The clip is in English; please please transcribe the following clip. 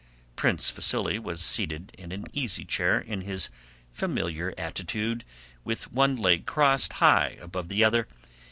Prince Vasíli was seated in an easy chair in his familiar attitude, with one leg crossed high above the other.